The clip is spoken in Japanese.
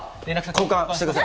交換してください。